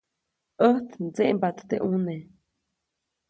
ʼÄjt ndseʼmbaʼt teʼ ʼuneʼ.